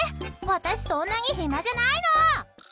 私、そんなに暇じゃないの。